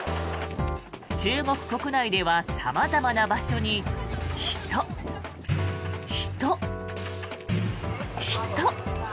中国国内では様々な場所に人、人、人。